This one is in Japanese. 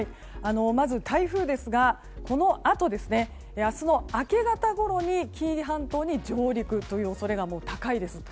まず台風ですがこのあと、明日の明け方ごろに紀伊半島に上陸という恐れが高いです。